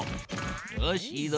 よしいいぞ。